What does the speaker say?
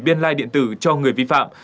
biên lai điện tử cho người vi phạm